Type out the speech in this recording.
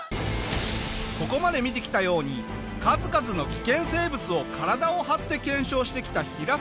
ここまで見てきたように数々の危険生物を体を張って検証してきたヒラサカさん。